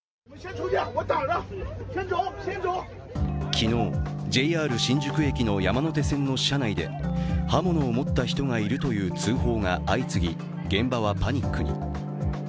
昨日、ＪＲ新宿駅の山手線の車内で刃物を持った人がいるという通報が相次ぎ、現場はパニックに。